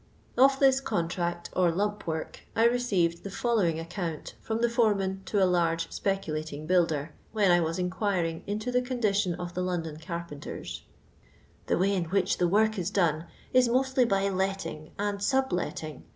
Of this contract or lump work, I received the following account from the foreman to a large speculating builder, when I was inquiring into the condition of the London carpenters :—" The way in which the work is done is mostly by letting and subletting.